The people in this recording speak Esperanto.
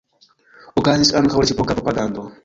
Okazis ankaŭ reciproka propagando.